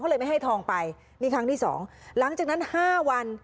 เลยไม่ให้ทองไปนี่ครั้งที่สองหลังจากนั้นห้าวัน